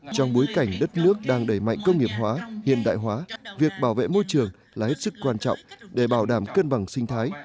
trong bối cảnh đất nước đang đẩy mạnh công nghiệp hóa hiện đại hóa việc bảo vệ môi trường là hết sức quan trọng để bảo đảm cân bằng sinh thái